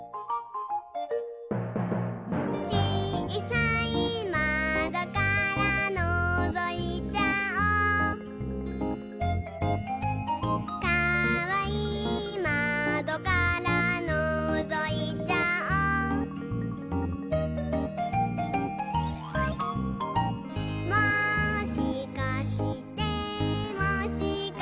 「ちいさいまどからのぞいちゃおう」「かわいいまどからのぞいちゃおう」「もしかしてもしかして」